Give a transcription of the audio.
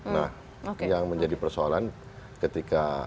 nah yang menjadi persoalan ketika